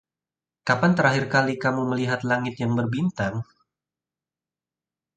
Kapan terakhir kali kamu melihat langit yang berbintang?